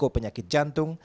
dan penyakit jantung